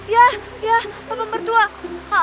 ya ya papa mertua